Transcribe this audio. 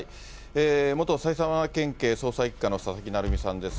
元埼玉県警捜査１課の佐々木成三さんです。